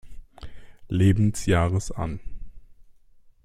Lebensjahres an.